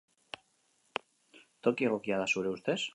Toki egokia da, zure ustez?